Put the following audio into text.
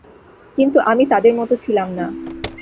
কিন্তু আমি তাদের মতো ছিলাম না।